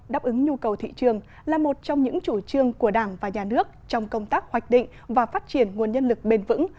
đáp ứng nhu cầu thị trường là một trong những chủ trương của đảng và nhà nước trong công tác hoạch định và phát triển nguồn nhân lực bền vững